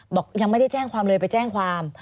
บอกยังไม่ได้แจ้งความเลยไปแจ้งความ